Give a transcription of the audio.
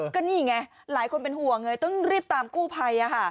ก็นี่ไงหลายคนเป็นห่วงไงต้องรีบตามกู้ภัย